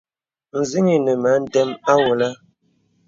Nzìn̄ inə mə a ndəm àwɔlə.